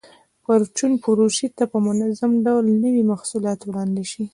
پرچون فروشۍ ته په منظم ډول نوي محصولات وړاندې شي.